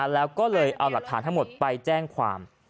แล้วก็เลยเอาหลักฐานทั้งหมดไปแจ้งความ